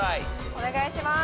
お願いします。